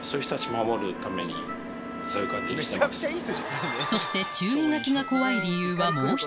にそういう感じにしてます。